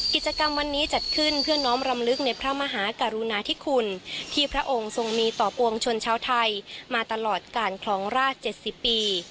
กิจกรรมวันนี้จัดขึ้นเพื่อน้อมรำลึกในพระมหากรุณาธิคุณที่พระองค์ทรงมีต่อปวงชนชาวไทยมาตลอดการคลองราช๗๐ปี